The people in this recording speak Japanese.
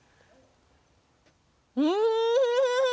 うん！